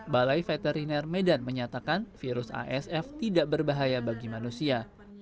balai veteriner medan menyatakan virus asf tidak berbahaya bagi manusia